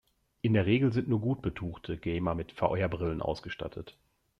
In der Regel sind nur gut betuchte Gamer mit VR-Brillen ausgestattet.